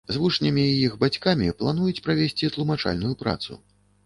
З вучнямі і іх бацькамі плануюць правесці тлумачальную працу.